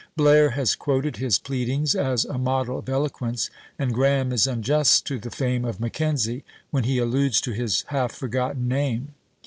Blair has quoted his pleadings as a model of eloquence, and Grahame is unjust to the fame of Mackenzie, when he alludes to his "half forgotten name."